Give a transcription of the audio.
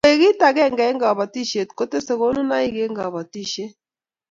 koek kit akenge eng' kabatiek ko tese konunaik eng' kabatishiet